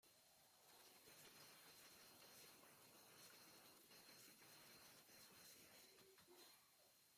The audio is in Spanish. Esta incautación provocó un escándalo, ya que el sitio era legal en Suecia.